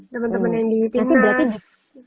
teman teman yang di tinas